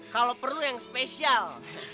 kalau perlu yang spesial